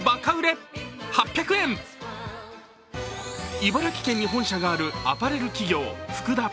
茨城県に本社があるアパレル企業、フクダ。